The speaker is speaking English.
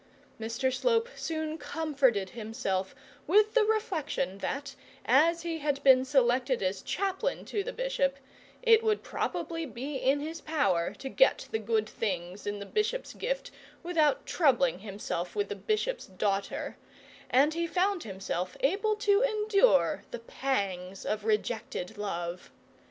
Mr Slope soon comforted himself with the reflection that, as he had been selected as chaplain to the bishop, it would probably be in his power to get the good things in the bishop's gift, without troubling himself with the bishop's daughter; and he found himself able to endure the pangs of rejected love.